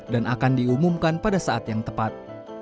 dan akan diumumkan pada saat yang tepat